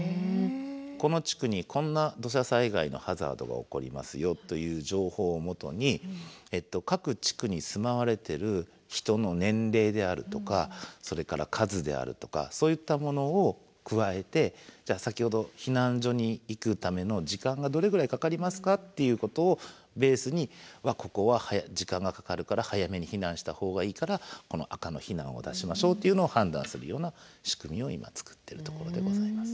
この地区にこんな土砂災害のハザードが起こりますよという情報を基に各地区に住まわれてる人の年齢であるとかそれから数であるとかそういったものを加えてじゃあ先ほど避難所に行くための時間がどれぐらいかかりますかっていうことをベースにここは時間がかかるから早めに避難した方がいいからこの赤の避難を出しましょうっていうのを判断するような仕組みを今作ってるところでございます。